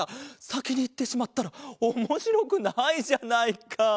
さきにいってしまったらおもしろくないじゃないか。